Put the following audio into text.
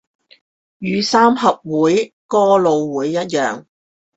與三合會、哥老會一樣